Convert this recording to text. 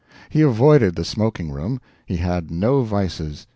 He avoided the smoking room. He had no vices.